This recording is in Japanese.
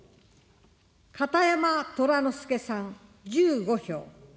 片山虎之助さん１５票。